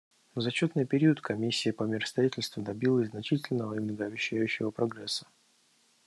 За отчетный период Комиссия по миростроительству добилась значительного и многообещающего прогресса.